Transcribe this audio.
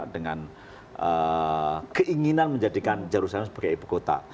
dengan keinginan menjadikan jerusalem sebagai ibu kota